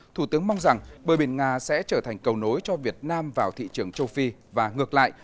thủ tướng mong rằng bờ biển nga sẽ trở thành cầu nối cho việt nam vào thị trường châu phi và ngược lại